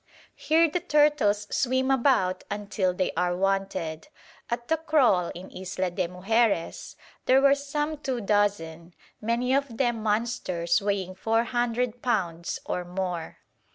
Here the turtles swim about until they are wanted. At the "crawl" in Isla de Mujeres there were some two dozen, many of them monsters weighing four hundred pounds or more.